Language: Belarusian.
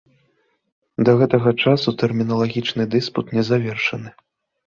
Да гэтага часу тэрміналагічны дыспут не завершаны.